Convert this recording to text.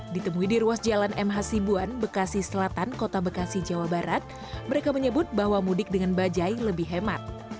ditemui di ruas jalan mh sibuan bekasi selatan kota bekasi jawa barat mereka menyebut bahwa mudik dengan bajai lebih hemat